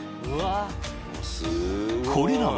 ［これらは］